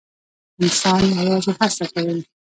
انسان یوازې هڅه کوي